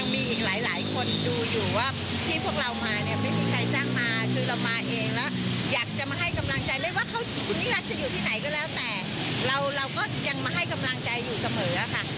ไม่ว่าคุณนิรักจะอยู่ที่ไหนก็แล้วแต่เราก็ยังมาให้กำลังใจอยู่เสมอค่ะ